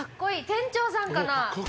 店長さんかな？